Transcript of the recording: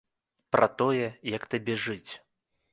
Пра тое, як табе жыць.